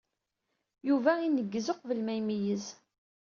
Yuba ineggez uqbel ma imeyyez.